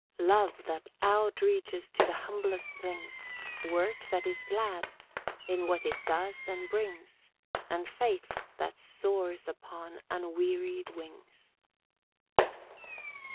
Love, that outreaches to the humblest things; Work that is glad, in what it does and brings; And faith that soars upon unwearied wings.